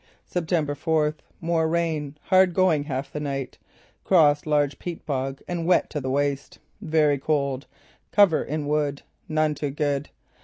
"September fourth: More rain. Hard going half the night. Crossed large peat bog and wet to the waist. Very cold. Cover in wood. None too good.